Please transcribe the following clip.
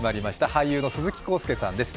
俳優の鈴木浩介さんです。